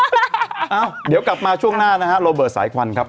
เอ้าเดี๋ยวกลับมาช่วงหน้านะฮะโรเบิร์ตสายควันครับ